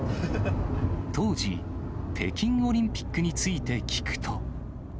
当時、北京オリンピックについて聞くと。